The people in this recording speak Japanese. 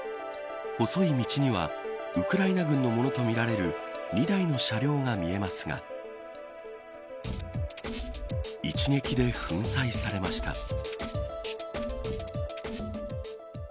細い道にはウクライナ軍のものとみられる２台の車両が見えますが一撃で粉砕されました。